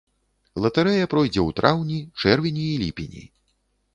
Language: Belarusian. Латарэя пройдзе ў траўні, чэрвені і ліпені.